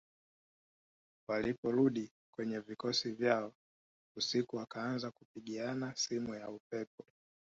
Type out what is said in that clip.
Waliporudi kwenye vikosi vyao usiku wakaanza kupigiana simu ya upepo